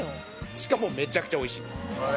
しかもめちゃくちゃ美味しいです。